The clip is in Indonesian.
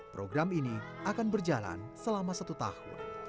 program ini akan berjalan selama satu tahun